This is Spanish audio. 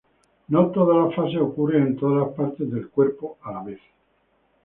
No todas las fases ocurren en todas las partes del cuerpo a la vez.